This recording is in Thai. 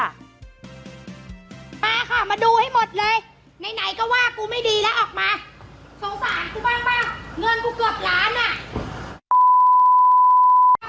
มาค่ะมาดูให้หมดเลยไหนก็ว่ากูไม่ดีแล้วออกมา